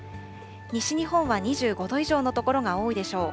西日本は２５度以上の所が多いでしょう。